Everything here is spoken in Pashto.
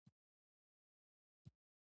خوب د زړه د مهربانۍ احساس پیدا کوي